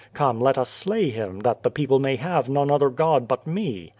Come, let us slay Him, that the people may have none other God but Me.'